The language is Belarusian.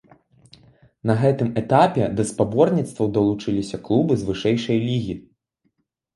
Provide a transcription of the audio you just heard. На гэтым этапе да спаборніцтваў далучыліся клубы з вышэйшай лігі.